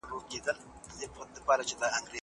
ايا انلاين زده کړه د ځان مسؤليت ته اړتیا لري؟